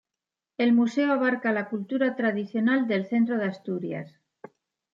El museo abarca la cultura tradicional del centro de Asturias.